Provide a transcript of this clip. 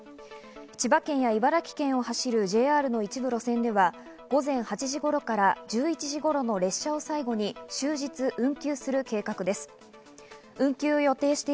千葉県や茨城県を走るＪＲの一部の路線では午前８時頃から１１時頃の列車を最後に終日運休する計画です。